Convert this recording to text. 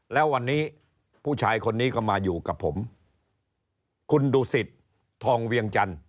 แล้ววันนี้ผู้ชายคนนี้ก็มาอยู่กับผมคุณดูสิตทองเวียงจันทร์